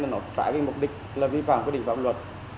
nó trả cái mục đích là vi phạm quyết định pháp luật